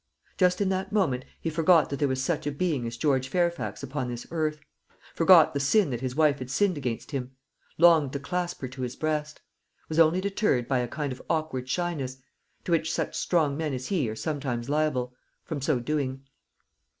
Just in that moment he forgot that there was such a being as George Fairfax upon this earth; forgot the sin that his wife had sinned against him; longed to clasp her to his breast; was only deterred by a kind of awkward shyness to which such strong men as he are sometimes liable from so doing.